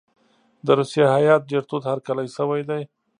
د روسیې هیات ډېر تود هرکلی شوی دی.